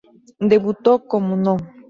Debutó como No.